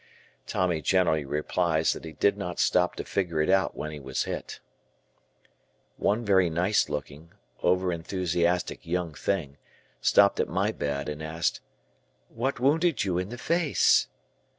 Tommy generally replies that he did not stop to figure it out when he was hit. One very nice looking, over enthusiastic young thing, stopped at my bed and asked, "What wounded you in the face?"